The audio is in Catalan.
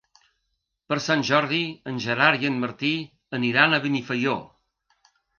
Per Sant Jordi en Gerard i en Martí aniran a Benifaió.